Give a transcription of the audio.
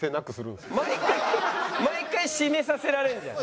毎回閉めさせられるじゃん。